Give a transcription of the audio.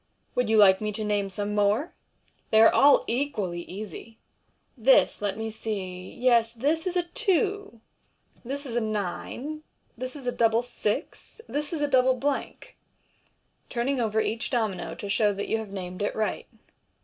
Would you like me to name some more ? They are all equally easy. This, let me see — yes, this is a two } this is a ninej this is a double six ; this is a double blank $" turning over each domino to show that you have named it right.